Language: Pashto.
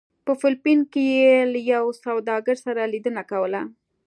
په فلپین کې یې له یو سوداګر سره لیدنه کوله.